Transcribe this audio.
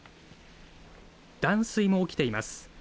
断水も起きています。